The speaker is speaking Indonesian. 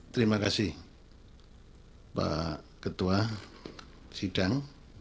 terima kasih pak ketua sidang